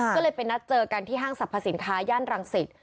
ก็เลยไปนัดเจอกันที่ห้างสรรพสินค้าย่านรังสิต